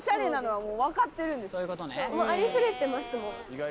ありふれてますもん。